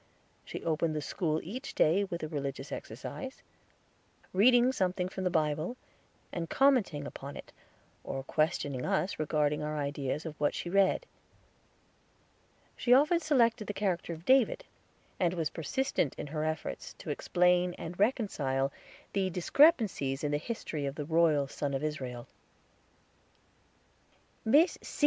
She opened the school each day with a religious exercise, reading something from the Bible, and commenting upon it, or questioning us regarding our ideas of what she read. She often selected the character of David, and was persistent in her efforts to explain and reconcile the discrepancies in the history of the royal Son of Israel. "Miss _C.